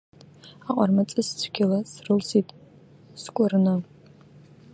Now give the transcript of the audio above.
Аҟармаҵыс цәгьала срылсит скәырны.